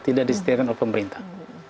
tidak disediakan oleh pemerintah